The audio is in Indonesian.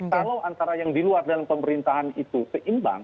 kalau antara yang diluar dan pemerintahan itu seimbang